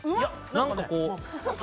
何かこう卵。